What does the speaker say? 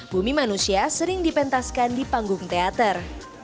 bumi manusia sering dipentaskan di panggung teater